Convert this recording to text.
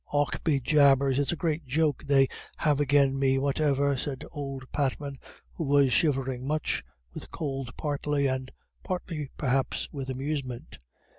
"Och, bejabbers, it's a great joke they have agin me whatever," said old Patman, who was shivering much, with cold partly, and partly perhaps with amusement.